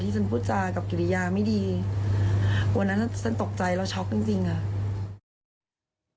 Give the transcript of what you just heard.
ฉันพูดจากับกิริยาไม่ดีวันนั้นฉันตกใจแล้วช็อกจริงจริงอ่ะ